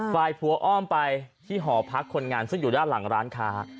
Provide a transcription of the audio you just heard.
ฝ่ายผัวอ้อมไปที่หอพักคนงานซึ่งอยู่ด้านหลังร้านค้า